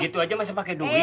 itu aja masih pakai duit